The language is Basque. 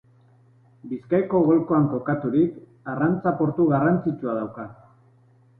Bizkaiko golkoan kokaturik, arrantza portu garrantzitsua dauka.